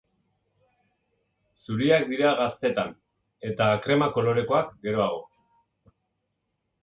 Zuriak dira gaztetan, eta krema kolorekoak geroago.